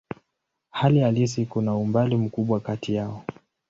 Hali halisi kuna umbali mkubwa kati yao.